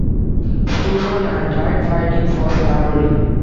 Stuart, and died fighting for slavery.